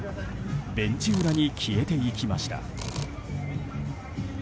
ベンチ裏に消えていきました。